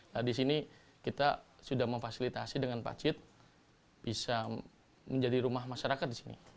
nah disini kita sudah memfasilitasi dengan pak jit bisa menjadi rumah masyarakat disini